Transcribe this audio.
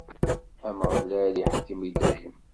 Ameɣlal iḥkem i dayem.